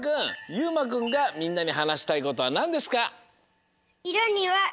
ゆうまくんがみんなにはなしたいことはなんですか？